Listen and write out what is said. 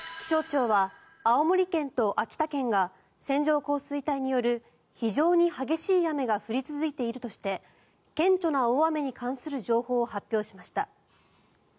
気象庁は青森県と秋田県が線状降水帯による非常に激しい雨が降り続いているとして顕著な大雨に関する情報を発表しました。